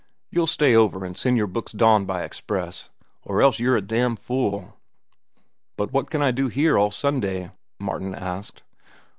You'll stay over, an' send your books down by express, or else you're a damn fool." "But what can I do here all day Sunday?" Martin asked.